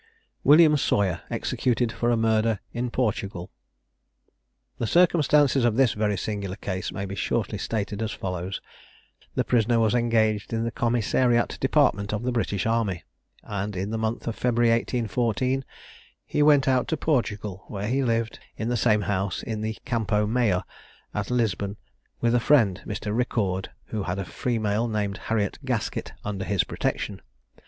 WILLIAM SAWYER. EXECUTED FOR A MURDER IN PORTUGAL. The circumstances of this very singular case may be shortly stated as follows: The prisoner was engaged in the commissariat department of the British army; and in the month of February 1814, he went out to Portugal, where he lived in the same house in the Campo Mayor, at Lisbon, with a friend, Mr. Riccord, who had a female, named Harriet Gaskett, under his protection.